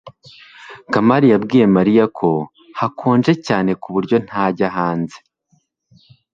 kamali yabwiye mariya ko hakonje cyane ku buryo ntajya hanze